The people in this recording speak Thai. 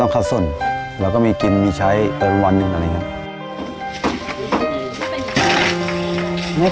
ต้องคัดส่วนแล้วก็มีกินมีใช้เอิญวัณหนึ่งอะไรอย่างนี้